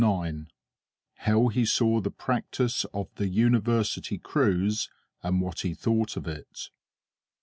IX _How he saw the practice of the University Crews, and what he thought of it.